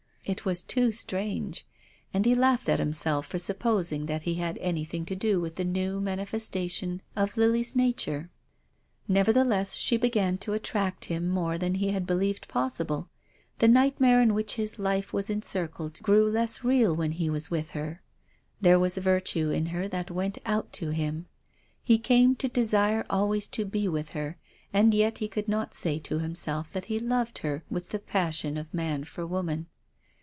It was too strange, and he laughed at himself for supposing that he had anything to do with the new manifestation of Lily's nature. Neverthe less she began to attract him more than he had believed possible. The nightmare in which his life was encircled grew less real when he was with her. There was virtue in her that went out to him. He came to desire always to be with her and yet he could not say to himself that beloved her with the passion of man for woman.